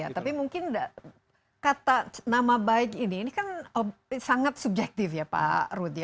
tapi mungkin kata nama baik ini ini kan sangat subjektif ya pak rud ya